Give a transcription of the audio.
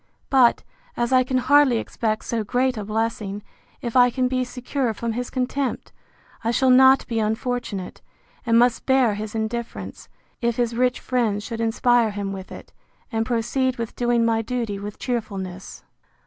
But, as I can hardly expect so great a blessing, if I can be secure from his contempt, I shall not be unfortunate; and must bear his indifference, if his rich friends should inspire him with it, and proceed with doing my duty with cheerfulness.